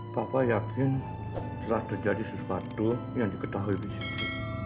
pak papa yakin telah terjadi sesuatu yang diketahui bisiti